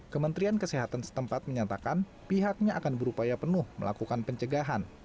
kementerian kesehatan setempat menyatakan pihaknya akan berupaya penuh melakukan pencegahan